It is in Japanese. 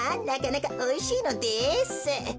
なかなかおいしいのです。